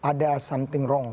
ada sesuatu yang salah